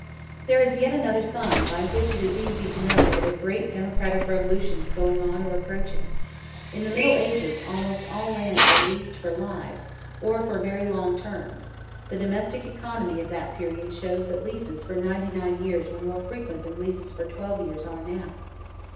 There is yet another sign by which it is easy to know that a great democratic revolution is going on or approaching. In the Middle Ages almost all lands were leased for lives, or for very long terms; the domestic economy of that period shows that leases for ninety nine years were more frequent then than leases for twelve years are now.